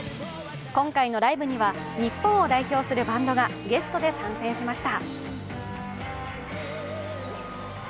今回のライブには、日本を代表するバンドがゲストで参戦しました。